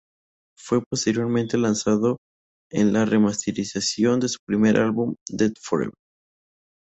Fue posteriormente lanzado en la remasterización de su primer álbum "Dead Forever..."